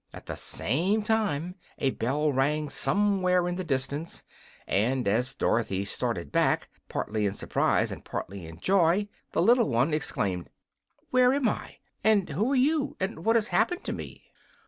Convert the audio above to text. At the same time a bell rang somewhere in the distance, and as Dorothy started back, partly in surprise and partly in joy, the little one exclaimed: "Where am I? And who are you? And what has happened to me?"